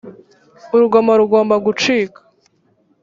urugomo rugomba gucika